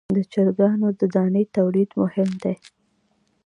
د چرګانو د دانې تولید مهم دی